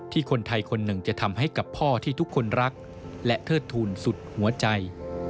คนไทยคนหนึ่งจะทำให้กับพ่อที่ทุกคนรักและเทิดทูลสุดหัวใจ